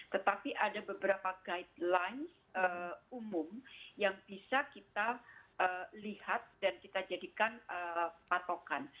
tetapi ada beberapa guideline umum yang bisa kita lihat dan kita jadikan patokan